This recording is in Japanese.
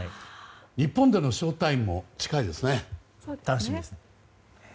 日本でのショウタイムも近いですね。